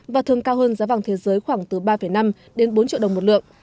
và thường cao hơn giá vàng thế giới khoảng từ ba năm đến bốn triệu đồng một lượng